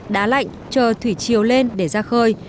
đá lạnh chờ thủy chiều lên để ra khơi